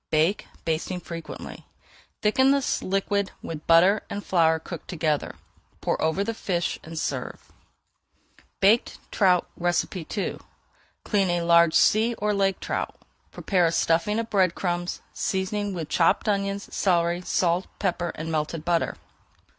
Bake, basting frequently. Thicken the liquid with butter and flour cooked together, pour over the fish, and serve. BAKED TROUT II Clean a large sea or lake trout. Prepare a [Page 416] stuffing of bread crumbs, seasoning with chopped onions, celery, salt, pepper, and melted butter.